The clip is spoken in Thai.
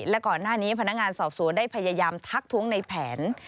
และก่อนหน้านี้พนักงานสอบสวนได้พยายามทักท้วงในแผน